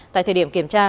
tại thời điểm kiểm tra